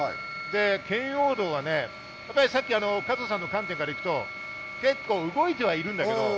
圏央道はね、さっき、加藤さんの観点から言うと結構動いてはいるんですよ。